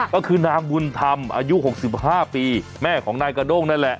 ก็คือนางบุญธรรมอายุ๖๕ปีแม่ของนายกระด้งนั่นแหละ